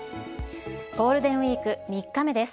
ゴールデンウィーク３日目です。